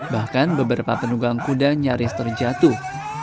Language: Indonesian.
bahkan beberapa penugang kuda nyaris terjatuh